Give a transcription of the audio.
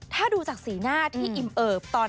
ถ้าดูจากสีหน้าที่อิ่มเอิบตอน